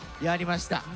やりました。